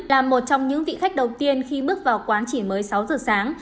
là một trong những vị khách đầu tiên khi bước vào quán chỉ mới sáu giờ sáng